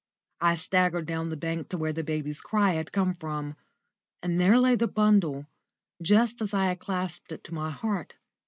I staggered down the bank to where the baby's cry had come from, and there lay the bundle, just as I had clasped it to my heart.